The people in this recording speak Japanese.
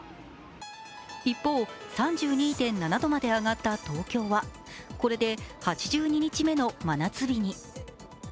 一方、３２．７度まで上がった東京はこれで８２日目の真夏日に。